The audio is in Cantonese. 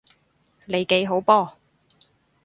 利記好波！